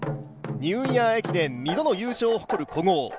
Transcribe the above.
ニューイヤー駅伝２度の優勝を誇る古豪。